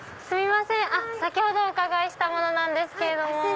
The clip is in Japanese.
すみません先ほどお伺いした者なんですけれども。